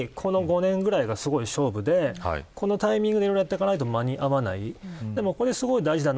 本当にこの５年ぐらいが、すごい勝負でこのタイミングでいろいろやらないと間に合わない。